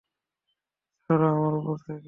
সরো আমার ওপর থেকে!